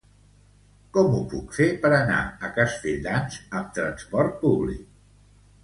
Com ho puc fer per anar a Castelldans amb trasport públic?